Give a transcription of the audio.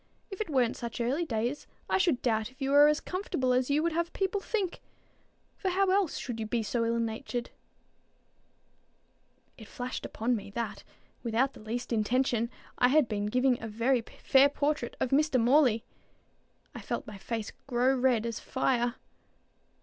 If it weren't such early days, I should doubt if you were as comfortable as you would have people think; for how else should you be so ill natured?" It flashed upon me, that, without the least intention, I had been giving a very fair portrait of Mr. Morley. I felt my face grow as red as fire.